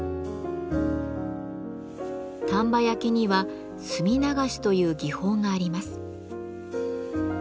丹波焼には「墨流し」という技法があります。